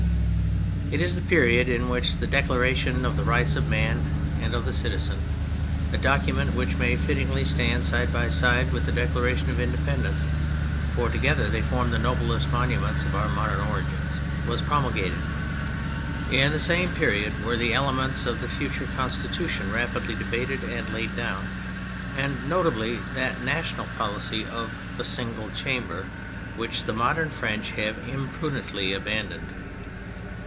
It is the period in which the Declaration of the Rights of Man and of the Citizen, a document which may fittingly stand side by side with the Declaration of Independence (for together they form the noblest monuments of our modern origins), w^as promulgated. In the same period were the elements of the future Constitution rapidly debated and laid down, and notably that national policy of a Single Chamber which the modern French have imprudently abandoned.